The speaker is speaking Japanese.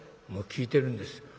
「もう聞いてるんです。